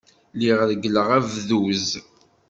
Lliɣ reggleɣ abduz.